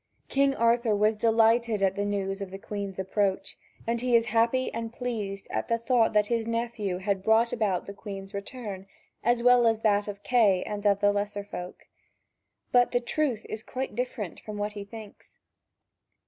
King Arthur was delighted at the news of the Queen's approach, and he is happy and pleased at the thought that his nephew had brought about the Queen's return, as well as that of Kay and of the lesser folk. But the truth is quite different from what he thinks.